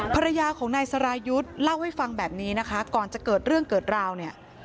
ภรรยาของนายสรายุทธ์เล่าให้ฟังแบบนี้นะคะก่อนจะเกิดเรื่องเกิดราวเนี่ย